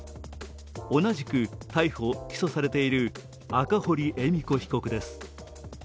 同じく逮捕・起訴されている赤堀恵美子被告です。